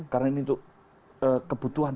karena ini untuk kebutuhan